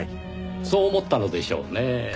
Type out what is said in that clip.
そう思ったのでしょうねぇ。